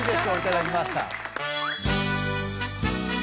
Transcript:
頂きました。